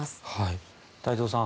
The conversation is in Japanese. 太蔵さん